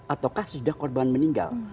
ataukah sudah korban meninggal